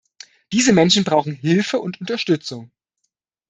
Diese Menschen brauchen Hilfe und Unterstützung.